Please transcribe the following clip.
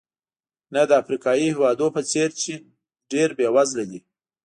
نه د افریقایي هېوادونو په څېر چې ډېر بېوزله دي.